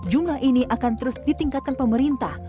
jumlah ini akan terus ditingkatkan pemerintah